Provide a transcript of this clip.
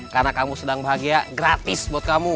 karena kamu sedang bahagia gratis buat kamu